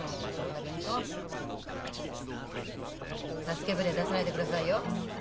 助け船出さないでくださいよ。